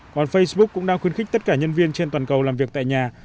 còn facebook cũng đang khuyến khích tất cả nhân viên trên toàn cầu làm việc tại nhà